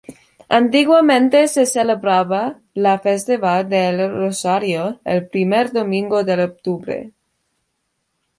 Antiguamente se celebraba la festividad de El Rosario, el primer domingo de octubre.